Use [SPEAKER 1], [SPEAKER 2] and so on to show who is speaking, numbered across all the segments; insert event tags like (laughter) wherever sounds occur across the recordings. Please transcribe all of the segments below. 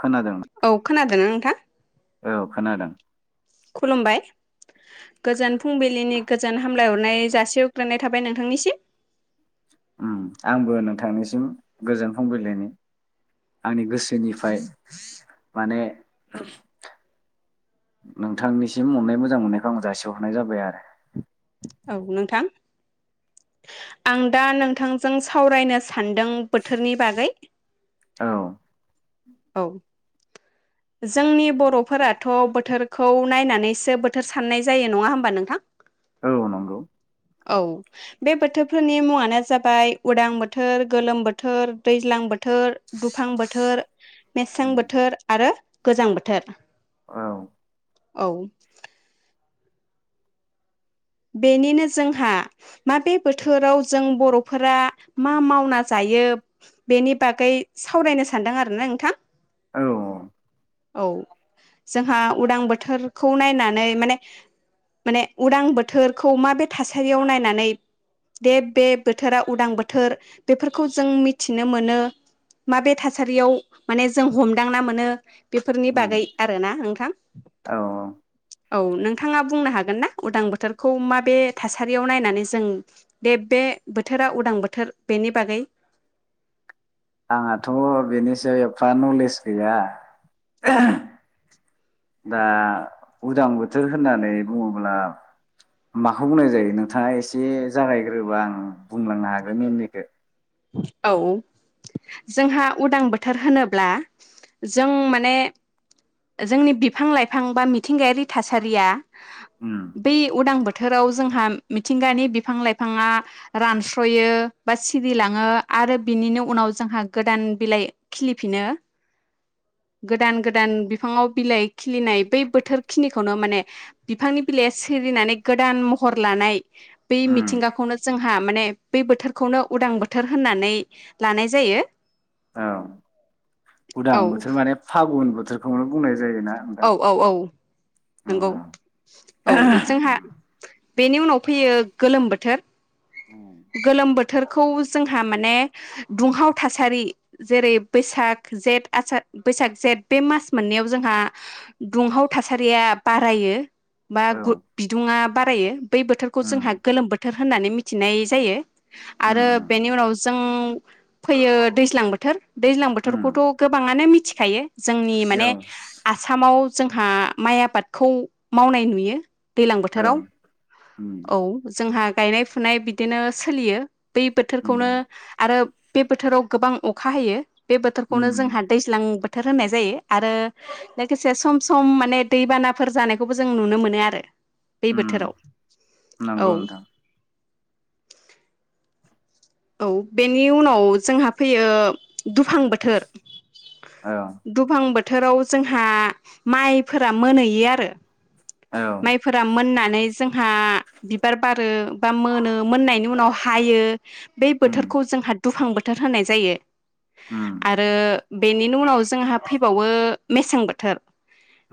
[SPEAKER 1] खोनादों
[SPEAKER 2] औ खोनादोंना नोंथां?
[SPEAKER 1] औ खोनादों।
[SPEAKER 2] खुलुमबाय! गोजोन फुंबिलिनि गोजोन हामलायहरनाय जासिहरगोरनाय थाबाय नोंथांनिसिम,
[SPEAKER 1] ओम आंबो नोंथांनिसिम गोजोन फुंबिलिनि आंनि गोसोनिफ्राय माने नोंथांनिसिम अननाय मोजां मोननायखौ आंबो जासिहरगोरनाय जाबाय आरो।
[SPEAKER 2] औ नोंथां, आं दा नोंथांजों सावरायनो सानदों बोथोरनि बागै।
[SPEAKER 1] औ
[SPEAKER 2] औ जोंनि बर'फोराथ' बोथोरखौ नायनानैसो बोथोर साननाय जायो नङा होमबा नोंथां?
[SPEAKER 1] औ नंगौ।
[SPEAKER 2] औ बे बोथोरफोरनि मुङानो जाबाय उदां बोथोर, गोलोम बोथोर, दैज्लां बोथोर, दुफां बोथोर, मेसें बोथोर आरो गोजां बोथोर।
[SPEAKER 1] औ।
[SPEAKER 2] औ बेनिनो जोंहा माबे बोथोराव जों बर'फोरा मा मावना जायो बेनि बागै सावरायनो सानदों आरोना नोंथां।
[SPEAKER 1] औ
[SPEAKER 2] औ जोंहा उदां बोथोरखौ नायनानै माने माने उदां बो थोरखौ माबे थासारियाव नायनानै दे बे बोथोरा उदां बोथोर बेफोरखौ जों मिथिनो मोनो माबे थासारियाव माने जों हमदांना मोनो, बेफोरनि
[SPEAKER 1] उम
[SPEAKER 2] बागै आरो ना नोंथां
[SPEAKER 1] औ
[SPEAKER 2] औ नोंथाङा बुंनो हागोन ना? उदां बोथोर, खौ माबे थासारियाव नायनानै, जों दे बे बोथोरा उदां बोथोर बेनि बागै,
[SPEAKER 1] आंहाथ' बेनि सायाव एफा नलेज गैया दा उदां बोथोर होननानै बुङोब्ला माखौ बुंनाय जायो, नोंथाङा एसे जागायग्रोबा आं बुंलांनो हागोन उननिखौ
[SPEAKER 2] औ जोंहा उदां बोथोर होनोब्ला जों माने जोंनि बिफां लाइफां बा मिथिंगायारि थासारिया
[SPEAKER 1] उम
[SPEAKER 2] बे उदां बो बोथोराव जोंहा मिथिंगानि बिफां लाइफाङा रानस्रयो बा सि सिरिलाङो आरो बिनिनो उनाव जोंहा गोदान बिलाइ खिलिफिनो गोदान गोदान बिफाङाव बिलाइ खिलिनाय बै बोथोर खिनिखौनो माने बिफांनि बिलाइया सिरिनानै गोदान महर लानाय, बे
[SPEAKER 1] उम
[SPEAKER 2] मिथिंगाखौनो जों हा माने बे बोथोरखौनो, उदां बोथोर होननानै लानाय जायो।
[SPEAKER 1] औ उदां
[SPEAKER 2] औ
[SPEAKER 1] बोथोर माने फागुन बोथोर खौनो बुंनाय, जायोना नोंथां
[SPEAKER 2] औ औ औ
[SPEAKER 1] औ
[SPEAKER 2] नंगौ औ जोंहा, बेनि उनाव फैयो गोलोम बोथोर गोलोम बोथोरखौ जोंहा माने दुंहाव थासारि जेरै बैसाग जेद बैसाग जेद बे मास मोननैयाव जोंहा दुंहाव थासारिया बारायो, बा गु
[SPEAKER 1] औ
[SPEAKER 2] बिदुङा बारायो बै बोथोरखौ
[SPEAKER 1] उम
[SPEAKER 2] जोंहा गोलोम बोथोर होननानै मिथिनाय, जायो
[SPEAKER 1] उम
[SPEAKER 2] आरो बेनि उनाव जों फैयो दैज्लां बोथोर दैज्लां
[SPEAKER 1] उम
[SPEAKER 2] बोथोरखौथ' गोबाङानो मिथिखायो जोंनि
[SPEAKER 1] औ
[SPEAKER 2] माने आसामाव जोंहा माइ आबादखौ मावनाय नुयो। दैलां बोथोराव
[SPEAKER 1] उम
[SPEAKER 2] औ जोंहा। गायनाय फुनाय। बिदिनो सोलियो। बै बोथोरखौनो
[SPEAKER 1] उम
[SPEAKER 2] आरो। बे बोथोराव गोबां अखा हायो। बे बोथोरखौनो
[SPEAKER 1] उम
[SPEAKER 2] जोंहा दैज्लां बोथ थोर होननाय जायो आरो लोगोसे सम सम माने दैबानाफोर जानायखौबो जों नुनो मोनो आरो। बे
[SPEAKER 1] उम
[SPEAKER 2] बोथोराव औ।
[SPEAKER 1] नंगौ नोंथां
[SPEAKER 2] औ बेनि उनाव जोंहा फैयो दुफां बोथोर।
[SPEAKER 1] औ
[SPEAKER 2] दुफां बो थोराव जोंहा माइफोरा मोनहैयो आरो।
[SPEAKER 1] औ
[SPEAKER 2] माइफोरा मोनना नै जोंहा बिबार बारो बा मोनो मोननायनि उनाव हायो। बे
[SPEAKER 1] उम
[SPEAKER 2] बोथोरखौ जोंहा। दुफां बोथोर होनाय जायो।
[SPEAKER 1] उम
[SPEAKER 2] आरो बेनिनि उनाव जोंहा फैबावो मेसें बोथोर।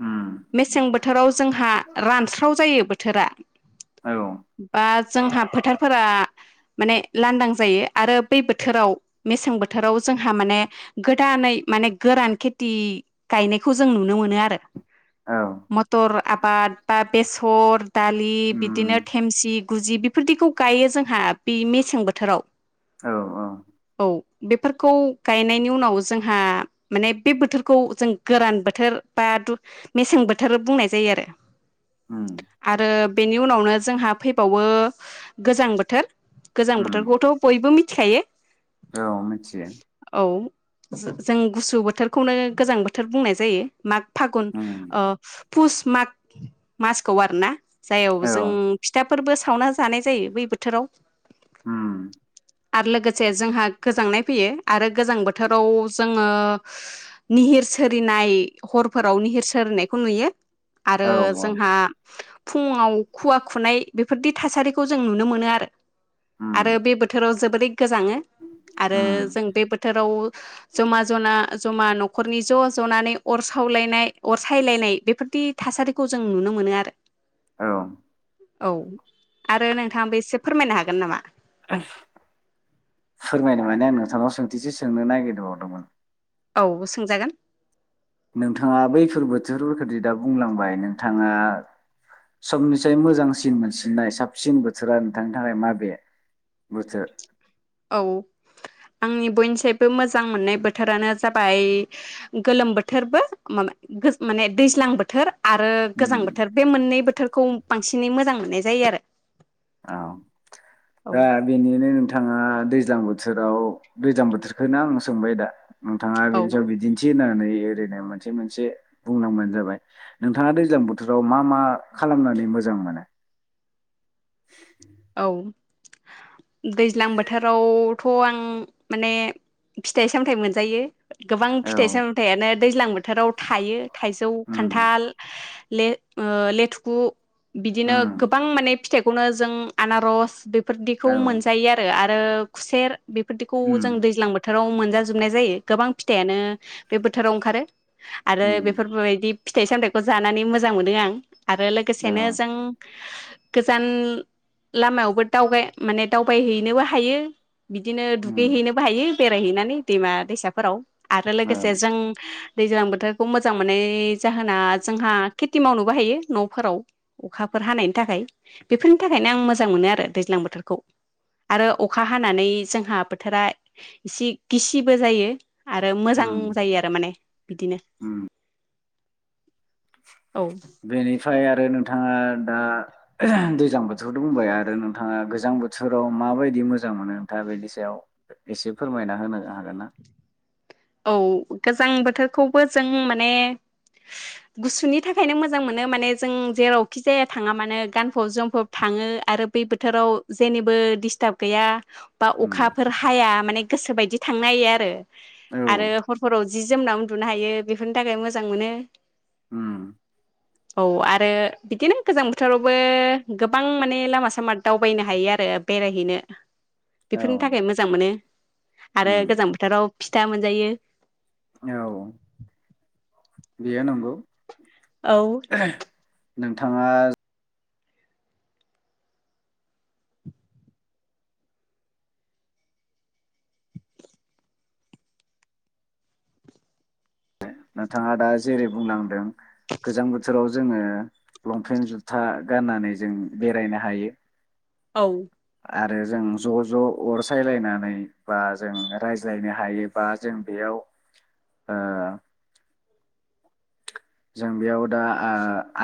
[SPEAKER 1] उम
[SPEAKER 2] मेसें बोथोराव जोंहा। स्राव जायो बोथोरा।
[SPEAKER 1] औ
[SPEAKER 2] बा जोंहा फोथार फोरा। माने लांदां जायो आरो बै बोथोराव मेसें बोथोराव जोंहा माने गोदानै माने गोरान खेथि गायनायखौ जों नुनो मोनो आरो।
[SPEAKER 1] औ
[SPEAKER 2] मटर। आबाद। बा बेसर। दालि बिदिनो
[SPEAKER 1] उम
[SPEAKER 2] थेमसि। गुजि बेफोरदिखौ गायो जोंहा बे मेसें बोथोराव।
[SPEAKER 1] औ औ।
[SPEAKER 2] औ बेफोरखौ गायनायनि उनाव जोंहा माने बे बोथोरखौ जों गोरान बोथोर बा दु- मेसें बोथोर बुंनाय जायो आरो।
[SPEAKER 1] उम
[SPEAKER 2] आरो। बेनि उनावनो जोंहा फैबावो गोजां बोथोर। गोजां
[SPEAKER 1] उम
[SPEAKER 2] बोथोरखौथ' बयबो मिथि खायो
[SPEAKER 1] औ मिथियो
[SPEAKER 2] जों गुसु बोथोरखौनो गोजां बोथोर बुंनाय जायो माग फागुन
[SPEAKER 1] उम
[SPEAKER 2] ओ फुस माग मासखौ आरोना जायावबो
[SPEAKER 1] औ
[SPEAKER 2] जों फिथा फोरबो सावना जानाय जायो बै बोथोराव
[SPEAKER 1] ओम
[SPEAKER 2] आरो लोगोसे जोंहा गोजांनाय फैयो आरो गोजां बोथोराव जोङो निहिर सिरिनाय हरफोराव निहिर सिनायखौ नुयो
[SPEAKER 1] औ
[SPEAKER 2] आरो जोंहा फुङाव खुवा खुनाय बेफोरदि थासारिखौ जों नुनो मोनो आरो
[SPEAKER 1] उम
[SPEAKER 2] बे बोथोराव जोबोरै गोजाङो आरो
[SPEAKER 1] उम
[SPEAKER 2] जों बे बोथोराव जमा जना जमा न'खरनि ज' ज'नानै अर सावलायनाय अर सायलायनाय बेफोरदि थासारि खौ जों नुनो मोनो आरो
[SPEAKER 1] औ
[SPEAKER 2] औ आरो नोंथाङाबो एसे फोरमायनो हागोन नामा
[SPEAKER 1] फोरमायनो माने आं नोंथांनाव सोंथिसो सोंनो नागिरबावदोंमोन
[SPEAKER 2] औ सोंजागोन
[SPEAKER 1] नोंथाङा बैफोर बोथोरफोरखौदि दा बुंलांबाय नोंथाङा समनिसाय मोजांसिन मोनसिननाय साबसिन बोथोरा नोंथांनि थाखाय माबे बोथोर?
[SPEAKER 2] औ आंनि बयनिफ्रायबो मोजां मोननाय बोथोरानो जाबाय गोलोम बोथोरबो माने दैज्लां बोथोर आरो गोजां
[SPEAKER 1] औ
[SPEAKER 2] बोथोर बे मोननै बोथोरखौ बांसिनै मोजां मोननाय जायो आरो
[SPEAKER 1] औ
[SPEAKER 2] औ
[SPEAKER 1] दा बेनिनो नोंथाङा दैज्लां बोथोराव दैज्लां बोथोरखौनो आं सोंबाय दा नोंथाङा
[SPEAKER 2] औ
[SPEAKER 1] बेनि सायाव बिदिन्थि होनो ओरैनो मोनसे मोनसे बुंनांबानो जाबाय नोंथाङा दैज्लां बोथोराव मा मा खालामनानै मोजां मोनो (inaudible)
[SPEAKER 2] औ दैज्लां बोथोरावथ' आं माने फिथाइ सामथाइ मोनजायो गोबां फिथाइ
[SPEAKER 1] औ
[SPEAKER 2] सामथाइ आनो दैज्लां बोथोराव थायो थाइजौ
[SPEAKER 1] उम
[SPEAKER 2] खान्थाल लेथुखु बिदिनो
[SPEAKER 1] उम
[SPEAKER 2] गोबां माने फिथाइखौनो जों आान र'स फोरदिखौ
[SPEAKER 1] औ
[SPEAKER 2] मोनजायो आरो आरो खुसेर बेफोरदिखौ
[SPEAKER 1] उम
[SPEAKER 2] जों दैज्लां बोथोराव मोन जाजोबनाय जायो गोबां फिथाइानो बे बोथोराव ओंखारो आरो
[SPEAKER 1] उम
[SPEAKER 2] बेफोरबायदि फिथाइ सामथाइखौ जानानै मोजां मोनो आं आरो
[SPEAKER 1] औ
[SPEAKER 2] लोगोसेनो जों गोजान लामायावबो दावगाय माने दावबायहैनोबो हायो बिदिनो दुगै
[SPEAKER 1] उम
[SPEAKER 2] हैैनोबो हायो बेरायहैनानै दैमा दैसाफोराव आरो
[SPEAKER 1] औ
[SPEAKER 2] लोगोसे जों दैज्लां बोथोरखौ मोजां मोनो जाहोना जोंहा खिटि मावनोबो हायो न'फोराव अखाफोर हानायनि थाखाय बेफोर नि थाखायनो आं मोजां मोनो आरो दैज्लां बोथोरखौ आरो अखा हानानै जोंहा बोथोरा एसि गिसिबो जायो आरो मोजां
[SPEAKER 1] उम
[SPEAKER 2] जायो आरो माने बिदिनो औ
[SPEAKER 1] बेनिफाय आ आरो नोंथाङा दा दैज्लां बोथोराथ' बुंबाय आरो नोंथाङा गोजां बोथोराव माबायदि मोजां मोनो नोंथा बेनि सायाव एसे फोरमायना होनो हागोन ना
[SPEAKER 2] औ गोजां बोथोरखौबो जों माने गुसुनि थाखायनो मोजां मोनो माने जों जेरावखि जाया थाङा मानो गानफब जोमफब थाङो आरो बे बोथोराव जेनिबो डिस्टाब गैया बा
[SPEAKER 1] उम
[SPEAKER 2] अखाफोर हाया माने गोसो बायदि थांनो हायो
[SPEAKER 1] औ
[SPEAKER 2] आरो हरफोराव जि जोमना उन्दुनो हायो बेफोरनि थाखाय मोजां मोनो
[SPEAKER 1] उम
[SPEAKER 2] औ आरो बिदिनो गोजां बोथोरावबो गोबां माने लामा सामा दावबायनो हायो आरो बेरायहैनो
[SPEAKER 1] औ
[SPEAKER 2] बेफोरनि थाखाय मोजां मोनो आरो गोजां
[SPEAKER 1] उम
[SPEAKER 2] बोथोराव फिथा मोन जायो
[SPEAKER 1] औ बियो नोंगौ
[SPEAKER 2] औ
[SPEAKER 1] नोंथाङा नोंथाङा दा जेरै बुंलांदों गोजां बोथोराव जोङो लंपेन्ट जुथा गाननानै जों बेरायनो हायो
[SPEAKER 2] औ
[SPEAKER 1] आरो जों ज' ज' अरसायलायनानै बा जों रायज्लायनो हायोबा जों बेयाव ओ जों बेयाव दा आ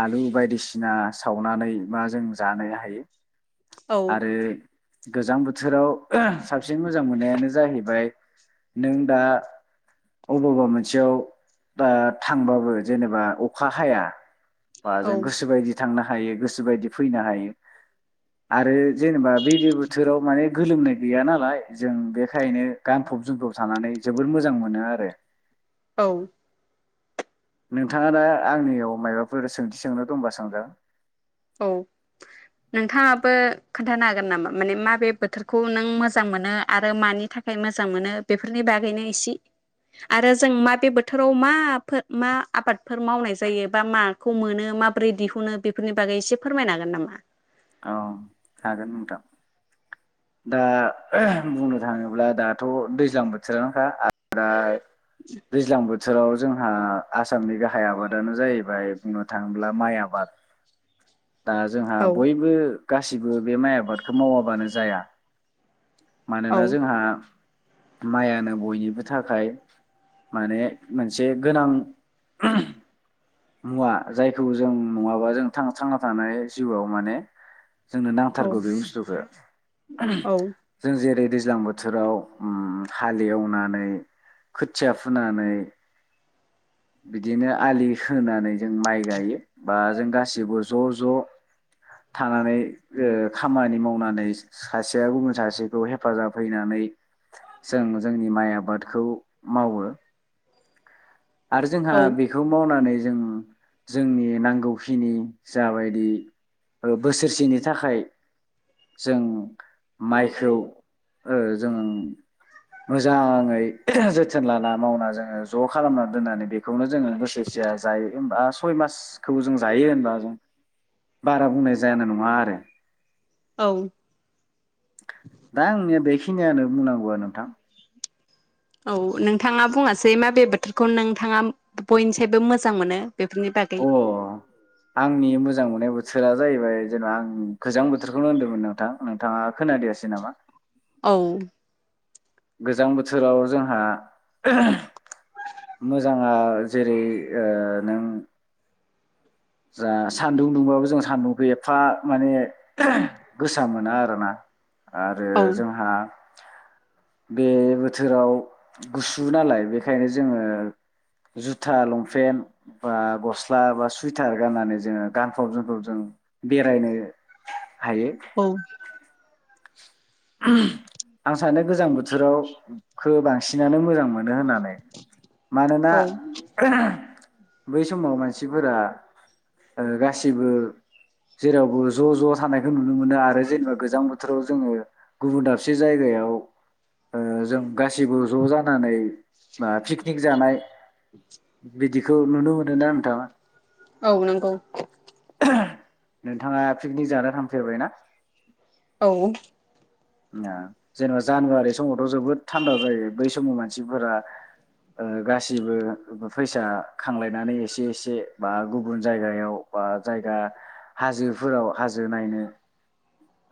[SPEAKER 1] आलु बायदिसिना सावनानै मा जों जानो हायो
[SPEAKER 2] औ
[SPEAKER 1] आरो गोजां बोथोराव साबसिन मोजां मोननायानो जाहैबाय नों दा अबावबा मोनसेयाव दा थांबाबो जेनेबा अखा हाया
[SPEAKER 2] औ
[SPEAKER 1] बाजों गोसो बायदि थांनो हायो गोसोबायदि फैनो हायो। आरो जेनेबा बेैबे बोथोराव माने गोलोमनाय गैया नालाय जों बेखायनो गानफब जोमफब थानानै जोबोद मोजां मोनो आरो।
[SPEAKER 2] औ।
[SPEAKER 1] नोंथाङा दा आंनियाव मायबाफोर सोंथि सोंनो दंबा सोंजागोन।
[SPEAKER 2] औ नोंथाङाबो खोन्थानो हागोन नामा माने मा बोथोरखौ नों मोजां मोनो आरो मानि थाखाय मोजां मोनो बेफोरनि बागैनो इसि आरो जों माबे बोथोराव माफोर मा आबादफोर मावनाय जायो बा माखौ मोनो माबोरै दिहुनो बेफोरनि बागै एसे फोरमायनो हागोन नामा?
[SPEAKER 1] अ हागोन नोंथां। दा बुंनो थाङोब्ला दाथ' दैज्लां बोथोरानोखा आरो दा दिज्लां बोथो बोथोराव जोंहा आसामनि गाहाय आबादानो जाहैबाय बुंनो थाङोब्ला माइ आबाद। दा जोंहा
[SPEAKER 2] औ
[SPEAKER 1] बयबो गासिबो बे माइ आबादखौ मावाबानो जाया।
[SPEAKER 2] औ
[SPEAKER 1] मानोना जोंहा माइआनो बयनिबो थाखाय माने मोनसे गोनां मुवा जायखौ जों नङाबा जों थांना थानो हाया जिउआव माने जोंनो नांथारगौ
[SPEAKER 2] औ
[SPEAKER 1] बे बुस्थुखौ
[SPEAKER 2] औ
[SPEAKER 1] जों जेरै दैज्लां बोथोराव उम्म हाल एवनानै खोथिया फुनानै बिदिनो आलि होनानै जों माइ गायो बा जों गासिबो ज' ज' थानानै ओ खामानि मावनानै सासे सासेया गुबुन सासेखौ हेफाजाब हैनानै जों जोंनि माइ आबादखौ मावो। आरो जोंहा बेखौ मावनानै जों जोंनि नांगौखिनि जाबायदि बोसोरसेनि थाखाय जों माइखौ ओ जों मोजाङै जोथोन लाना मावना जोङो ज' खालामनानै दोननानै बे बेखौनो जोङो बोसोरसेया जायो होमबा सय मासखौ जों जायो होनबा जों बारा बुंनाय जानाय नङा आरो।
[SPEAKER 2] औ
[SPEAKER 1] दा आंनिया बेखिनियानो बुंनांगौआ नोंथां।
[SPEAKER 2] औ नोंथाङा बुङासै माबे बोथोरखौ नोंथाङा बयनिसायबो मोजां मोनो? बेफोरनि बागै
[SPEAKER 1] अ आंनि मोजां मोननाय बोथोरा जाहैबाय जेनेबा आं गोजां बोथोरखौनो होनदोंमोन नोंथां नोंथाङा खोनादियासै नामा?
[SPEAKER 2] औ।
[SPEAKER 1] गोजां बोथोराव जोंहा मोजाङा जेरै ओ नों जा सान्दुं दुंबाबो जों सान्दुंखौ एफा माने गोसा मोना आरो ना आरो
[SPEAKER 2] औ
[SPEAKER 1] जोंहा (inaudible) बे बोथोराव गुसु नालाय बेखायनो जोङो जुथा लंपेन्ट बा गस्ला बा सुइटार गाननानै जोङो गानफब जोमफब जों बेरायनो हायो
[SPEAKER 2] औ
[SPEAKER 1] आं सानो गोजां बोथोराव खौ बांसिनानो मोजां मोनो होनानै मानोना
[SPEAKER 2] औ
[SPEAKER 1] बै समाव मानसिफोरा गाससिबो जेरावबो ज' ज' थानायखौ नुो नुनो मोनो आरोे जेनेबा गोजां बोथोर बोथोराव जोङो गुबुन दाबसे जायगायाव जों गासैबो ज' जानानै बा पिकनिक जानाय बिदिखौ नुनो मोनो ना नोंथाङा
[SPEAKER 2] औ नंगौ
[SPEAKER 1] नोंथाङा पिकनिक जानो थांफेरबाय ना
[SPEAKER 2] औ
[SPEAKER 1] जेनेबा जानुवारि समावथ' जोबोद थान्दा जायो बै समाव मानसिफोरा गासिबो फैसा खांलायनानै एसे एसे बा गुबुन जायगायाव बा जायगा हाजोफोराव हाजो नायनो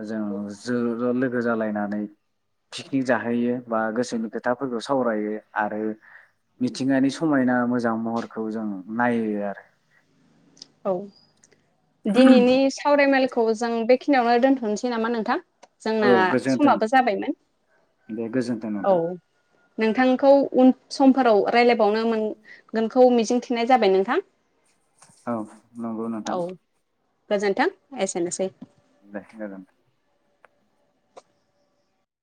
[SPEAKER 1] जों ज' ज' लोगो जालायनानै पिकनिक जाहैयो बा गोसोनि खोथाफोरखौ सावरायो आरो मिथिंगानि समायना मोजां महरखौ जों नायो आरो
[SPEAKER 2] औ दिनैनि सावरायमेलखौ जों बे खिनियावनो दोन्थ'नोसै नामा नोंथां जोंना
[SPEAKER 1] औ गोजोन्थों
[SPEAKER 2] समाबो जाबायमोन
[SPEAKER 1] दे गोजोन्थों नोंथां
[SPEAKER 2] औ नोंथांखौ उन समफोराव रायज्लायबावनो मोन गोनखौ मिजिंथिनाय जाबाय नोंथां।
[SPEAKER 1] औ नंगौ नोंथां।
[SPEAKER 2] औ गोजोन्थों एसेनोसै।
[SPEAKER 1] दे गोजोनथों।